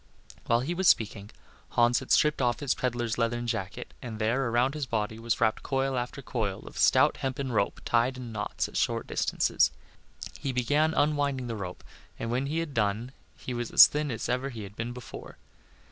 While he was speaking Hans had stripped off his peddler's leathern jacket, and there, around his body, was wrapped coil after coil of stout hempen rope tied in knots at short distances. He began unwinding the rope, and when he had done he was as thin as ever he had been before.